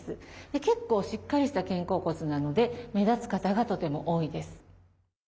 結構しっかりした肩甲骨なので目立つ方がとても多いです。